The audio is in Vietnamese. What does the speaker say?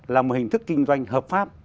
là một hình thức kinh doanh hợp pháp